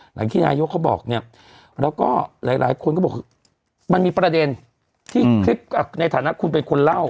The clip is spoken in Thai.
หลังที่นายกเขาบอกเนี่ยแล้วก็หลายคนก็บอกมันมีประเด็นที่คลิปในฐานะคุณเป็นคนเล่า